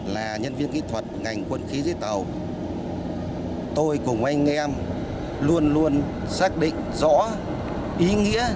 là nhân viên kỹ thuật ngành quân khí dưới tàu tôi cùng anh em luôn luôn xác định rõ ý nghĩa